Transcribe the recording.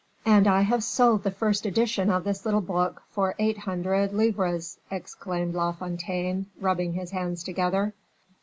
"And I have sold the first edition of this little book for eight hundred livres," exclaimed La Fontaine, rubbing his hands together.